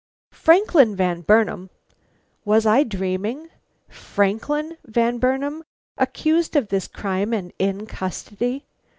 Franklin Van Burnam! Was I dreaming? Franklin Van Burnam accused of this crime and in custody!